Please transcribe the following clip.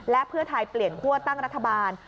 และเพื่อไทยเปลี่ยนคั่วตั้งรัฐบาล